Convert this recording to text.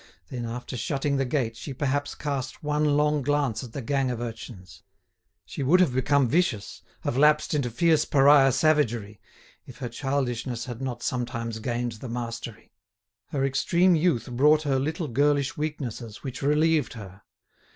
Then after shutting the gate, she perhaps cast one long glance at the gang of urchins. She would have become vicious, have lapsed into fierce pariah savagery, if her childishness had not sometimes gained the mastery. Her extreme youth brought her little girlish weaknesses which relieved her.